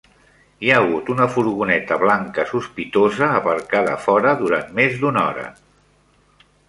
Hi ha hagut una furgoneta blanca sospitosa aparcada fora durant més d'una hora.